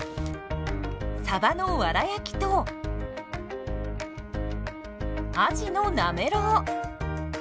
さばのわら焼きとあじのなめろう。